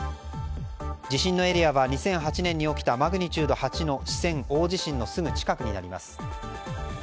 地震のエリアは２００８年に起きたマグニチュード８の四川大地震のすぐ近くにあります。